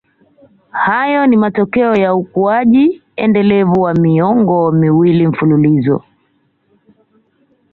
Hayo ni matokeo ya ukuaji endelevu wa miongo miwili mfululizo